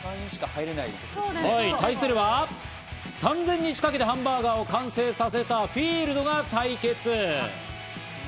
対するは３０００日かけてハンバーガーを完成させたＦｅｉｌｄが対決。